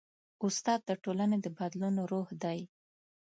استاد د ټولنې د بدلون روح دی.